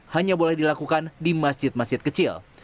hanya boleh dilakukan di masjid masjid kecil